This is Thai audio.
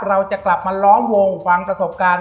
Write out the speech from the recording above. เราจะกลับมาล้อมวงฟังประสบการณ์